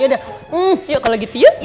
yaudah yuk kalau gitu yuk